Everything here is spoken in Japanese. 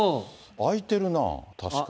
開いてるな、確かに。